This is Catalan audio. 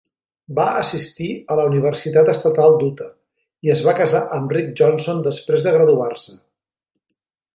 Va assistir a la Universitat Estatal d'Utah i es va casar amb Rick Johnson després de graduar-se.